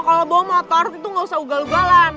kalo bawa motor itu gak usah ugal ugalan